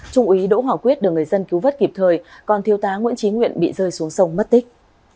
trung úy đỗ hoàng quyết được người dân cứu vất kịp thời còn thiêu tá nguyễn trí nguyện bị rơi xuống sông mất tích